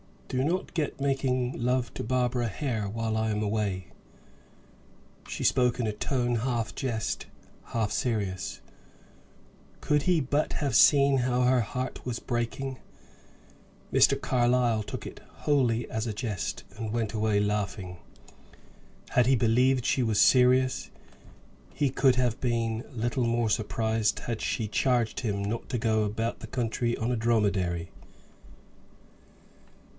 "Do not get making love to Barbara Hare while I am away." She spoke in a tone half jest, half serious could he but have seen how her heart was breaking! Mr. Carlyle took it wholly as a jest, and went away laughing. Had he believed she was serious, he could have been little more surprised had she charged him not to go about the country on a dromedary.